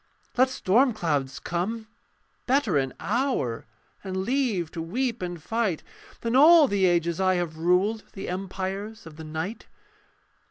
Let storm clouds come: better an hour, And leave to weep and fight, Than all the ages I have ruled The empires of the night.